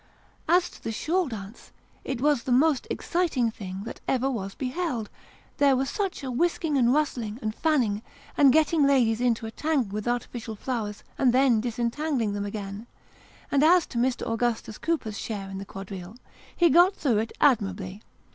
As to the shawl dance, it was the most exciting thing that ever was beheld; there was such a whisking, and rustling, and fanning, and getting ladies into a tangle with artificial flowers, and then dis entangling them again ! And as to Mr. Aiigustus Cooper's share in the quadrille, he got through it admirably.